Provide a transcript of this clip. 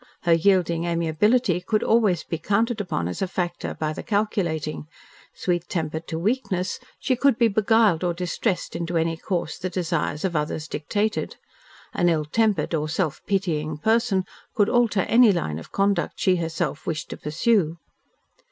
Her yielding amiability could always be counted upon as a factor by the calculating; sweet tempered to weakness, she could be beguiled or distressed into any course the desires of others dictated. An ill tempered or self pitying person could alter any line of conduct she herself wished to pursue.